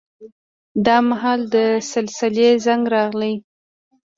دا مهال د سلسلې زنګ راغی.